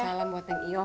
salam buat yang iyo